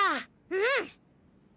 うん！